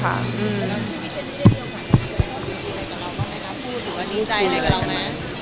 แล้วที่พี่เจนได้เรียกว่าใครกับเราก็ไม่รับพูดหรือว่าในใจในกับเราแม่